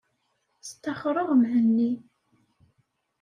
Staxreɣ Mhenni.